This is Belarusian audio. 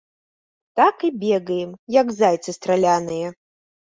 Так і бегаем, як зайцы страляныя.